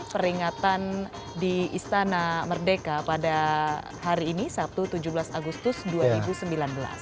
peringatan di istana merdeka pada hari ini sabtu tujuh belas agustus dua ribu sembilan belas